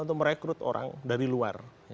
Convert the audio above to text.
untuk merekrut orang dari luar